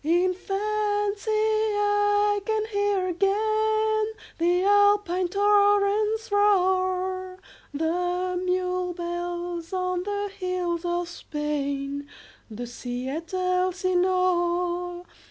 In fancy I can hear again The Alpine torrent's roar, The mule bells on the hills of Spain, 15 The sea at Elsinore.